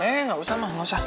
eh gausah ma gausah